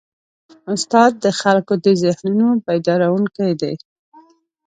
استاد د خلکو د ذهنونو بیدارونکی دی.